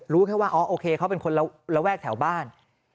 รู้แค่ว่าอ๋อโอเคเขาเป็นคนระแวกแถวบ้าน